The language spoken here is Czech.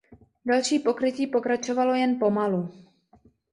Další pokrytí pokračovalo jen pomalu.